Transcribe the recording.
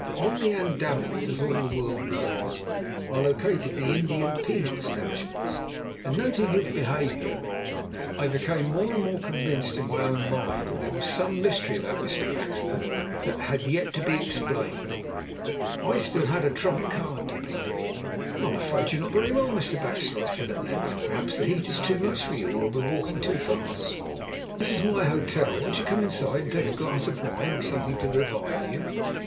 Now, on the Andamans, as all the world knows, are located the Indian penal establishments, and noting his behaviour, I became more and more convinced in my own mind that there was some mystery about Mr. Baxter that had yet to be explained. I had still a trump card to play. "I'm afraid you are not very well, Mr. Baxter," I said at length. "Perhaps the heat is too much for you, or we are walking too fast? This is my hotel. Won't you come inside and take a glass of wine or something to revive you?"